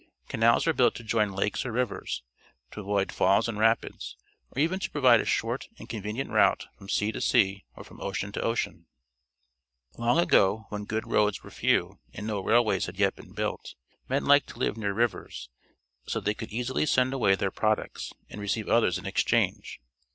Canals are built to' join lakes or rivers, to avoid falls and rapids, or even to provide a short and convenient route from sea to sea or from ocean to ocean. Long ago, when good roads were few and no railways had yet been built, men hked to Towing Traders' Boats down the Peace River, Alberta Uve near rivers, so that they could easily send away their products and receive others in exchange.